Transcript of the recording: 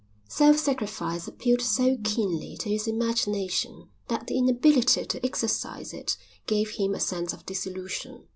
Self sacrifice appealed so keenly to his imagination that the inability to exercise it gave him a sense of disillusion.